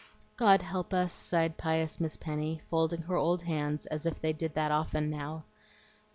"God help us!" sighed pious Miss Penny, folding her old hands, as if they did that often now.